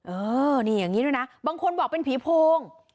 เออนี่อย่างนี้ด้วยนะบางคนบอกเป็นผีโพง